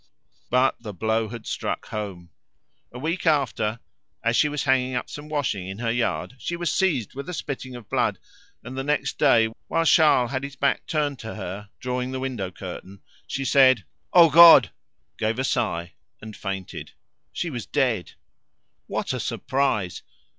But "the blow had struck home." A week after, as she was hanging up some washing in her yard, she was seized with a spitting of blood, and the next day, while Charles had his back turned to her drawing the window curtain, she said, "O God!" gave a sigh and fainted. She was dead! What a surprise!